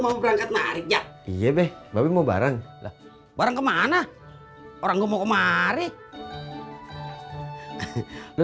lu baru mau berangkat nari ya iya beb mau barang barang kemana orang mau kemarin